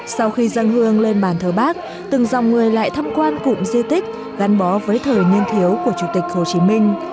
sau khi dân hương lên bàn thờ bác từng dòng người lại thăm quan cụm di tích gắn bó với thời niên thiếu của chủ tịch hồ chí minh